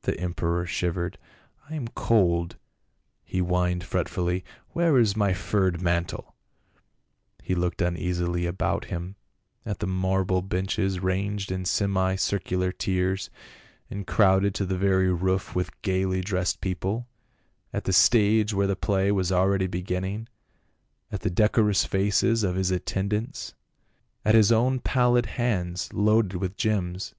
The emperor shivered. " I am cold," he whined fretfully, " where is my furred mantle?" He looked uneasily about him, at the marble benches ranged in semi circular tiers, and crowded to the very roof with gaily dressed people, at the stage where the play was already beginning, at the decorous faces of his attend ants, at his own pallid hands loaded with gems.